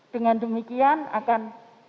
dengan demikian akan